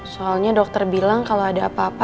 soalnya dokter bilang kalau ada apa apa